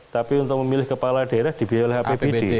tapi untuk memilih kepala daerah dibiayai oleh apbd